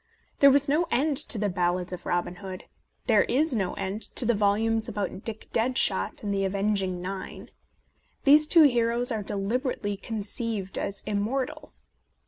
There was no end to the ballads of Robin Hood ; there is no end to the volumes about Dick Deadshot and the Avenging Nine. These two heroes are de liberately conceived as immortal.